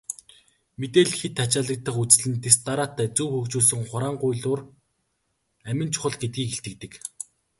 Мэдээлэл хэт ачаалагдах үзэгдэл нь дэс дараатай, зөв хөгжүүлсэн хураангуйлуур амин чухал гэдгийг илтгэдэг.